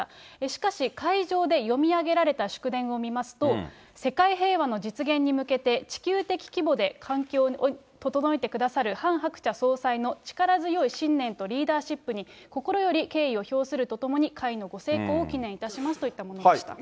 しかし、会場で読み上げられた祝電を見ますと、世界平和の実現に向けて、地球的規模で環境を整えてくださるハン・ハクチャ総裁の力強い信念とリーダーシップに、心より敬意を表するとともに、会のご成功を祈念いたしますというものでした。